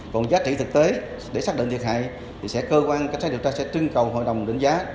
còn giá trị thực tế để xác định thiệt hại thì sẽ cơ quan cách sát điều tra sẽ trưng cầu hội đồng đánh giá